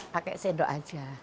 pakai sendok aja